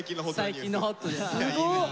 最近のホットです。